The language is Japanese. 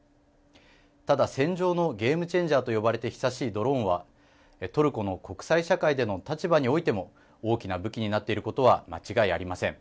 ただ戦場のゲームチェンジャーと呼ばれて久しいドローンはトルコの国際社会での立場においても大きな武器になっていることは間違いありません。